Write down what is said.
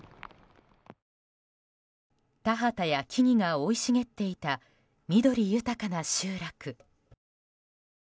田畑や木々が生い茂っていた緑豊かな集落。